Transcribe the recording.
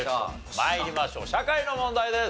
参りましょう社会の問題です。